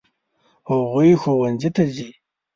هغوی ښوونځي ته ځي.